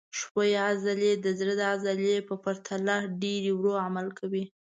ښویې عضلې د زړه د عضلې په پرتله ډېر ورو عمل کوي.